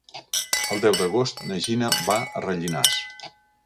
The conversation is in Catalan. El deu d'agost na Gina va a Rellinars.